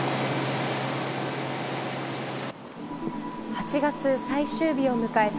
８月最終日を迎えた